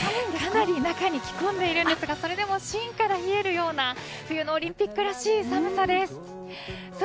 かなり中に着込んでいますが、それでも芯から冷えるような冬のオリンピックらしい寒さです。